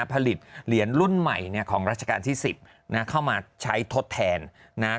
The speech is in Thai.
ผลิตเหรียญรุ่นใหม่เนี่ยของราชการที่๑๐นะเข้ามาใช้ทดแทนนะครับ